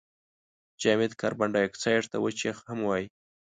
جامد کاربن دای اکساید ته وچ یخ هم وايي.